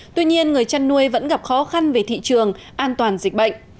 tuy nhiên người chăn nuôi vẫn gặp khó khăn về thị trường an toàn dịch bệnh